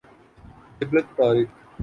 جبل الطارق